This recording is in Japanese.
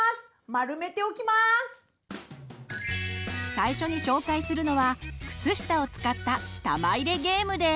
最初に紹介するのは靴下を使った玉入れゲームです。